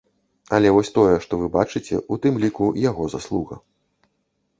Але вось тое, што вы бачыце, у тым ліку яго заслуга.